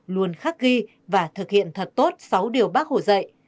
luôn khắc ghi và thực hiện thật tốt sáu điều bác hồ dạy